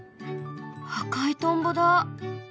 赤いトンボだ。